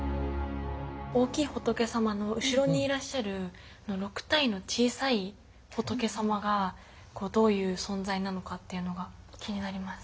大きい仏様の後ろにいらっしゃる６体の小さい仏様がどういう存在なのかっていうのが気になります。